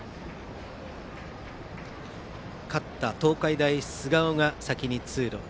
勝った東海大菅生が先に通路へ。